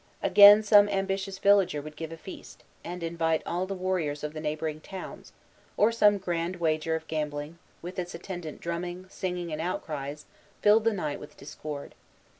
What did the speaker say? Again, some ambitious villager would give a feast, and invite all the warriors of the neighboring towns; or some grand wager of gambling, with its attendant drumming, singing, and outcries, filled the night with discord.